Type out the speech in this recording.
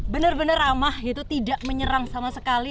benar benar ramah gitu tidak menyerang sama sekali